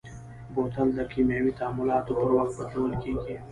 بوتل د کیمیاوي تعاملاتو پر وخت بدلول کېږي.